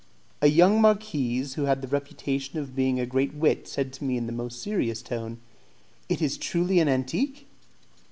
A young marquise, who had the reputation of being a great wit, said to me in the most serious tone, "It is truly an antique?"